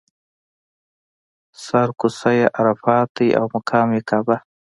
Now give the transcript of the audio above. سر کوڅه یې عرفات دی او مقام یې کعبه.